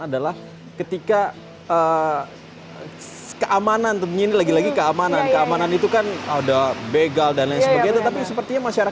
adalah ketika keamanan tuhan ini lagi lagi keamanan keamanan itu kan ada begel dan sebagainya